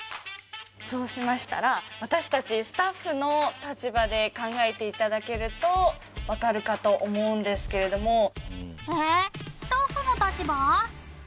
そうしましたら私たちスタッフの立場で考えていただけると分かるかと思うんですけれども